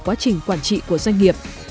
quá trình quản trị của doanh nghiệp